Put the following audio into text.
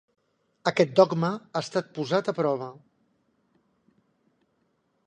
Aquest dogma ha estat posat a prova.